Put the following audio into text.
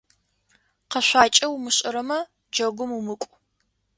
Къэшъуакӏэ умышӏэрэмэ, джэгум умыкӏу.